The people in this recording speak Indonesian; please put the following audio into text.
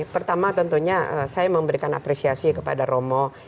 pertama tentunya saya memberikan apresiasi kepada romo